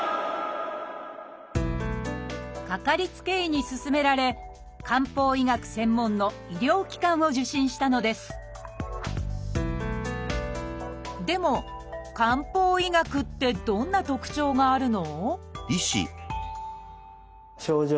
かかりつけ医に勧められ漢方医学専門の医療機関を受診したのですでも漢方医学ってどんな特徴があるの？